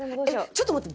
ちょっと待って！